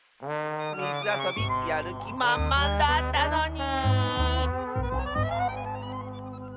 みずあそびやるきまんまんだったのに！